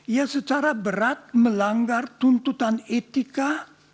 ia secara berat melanggar tuntutan etika